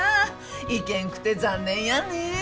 行けんくて残念やね。